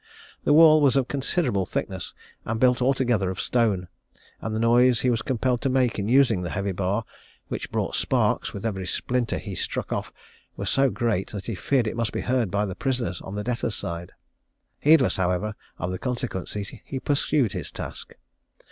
The wall was of considerable thickness, and built altogether of stone; and the noise he was compelled to make in using the heavy bar, which brought sparks with every splinter he struck off, was so great, that he feared it must be heard by the prisoners on the debtors' side. Heedless, however, of the consequences, he pursued his task.